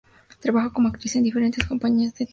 Trabaja como actriz en diferentes compañías de teatro.